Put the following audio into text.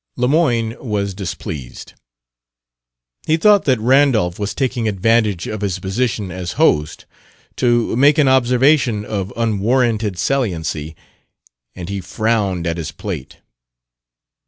Lemoyne was displeased; he thought that Randolph was taking advantage of his position as host to make an observation of unwarranted saliency, and he frowned at his plate.